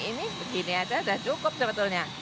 ini gak dipegang aja yang baru ya